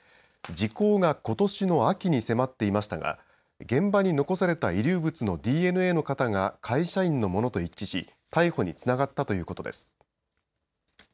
時効がことしの秋に迫っていましたが、現場に残された遺留物のＤＮＡの型が会社員のものと一致し、逮捕につながったということです。